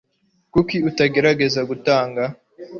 Kuki utagerageza gutanga ?